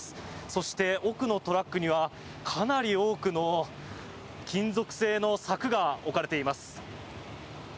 そして、奥のトラックにはかなり多くの金属製の柵が置かれています。